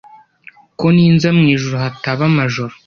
Ko ninza mu ijuru hataba amajoro